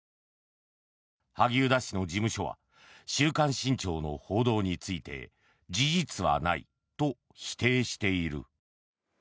萩生田氏の事務所は「週刊新潮」の報道について事実はないと否定している。